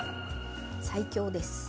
最強です。